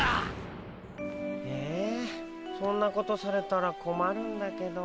えそんなことされたらこまるんだけど。